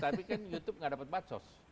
tapi kan youtube gak dapat bansos